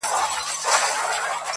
• جادوگري جادوگر دي اموخته کړم.